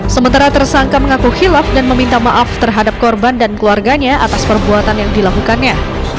sementara tersangka mengaku hilaf dan meminta maaf terhadap korban dan keluarganya atas perbuatan yang dilakukannya